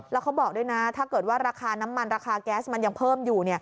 แล้วเขาบอกด้วยนะถ้าเกิดว่าราคาน้ำมันราคาแก๊สมันยังเพิ่มอยู่